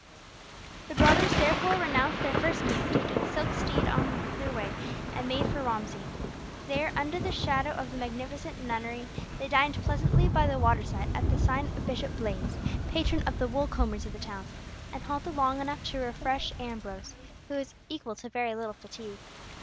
The brothers therefore renounced their first scheme of taking Silkstede in their way, and made for Romsey. There, under the shadow of the magnificent nunnery, they dined pleasantly by the waterside at the sign of Bishop Blaise, patron of the woolcombers of the town, and halted long enough to refresh Ambrose, who was equal to very little fatigue.